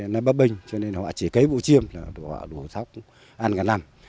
nó bấp bình cho nên họ chỉ cấy vụ chiêm họ đổ thóc ăn cả năm